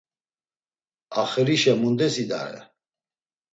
Axirişe mundes idare?